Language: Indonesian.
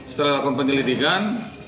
setelah dilakukan penyelidikan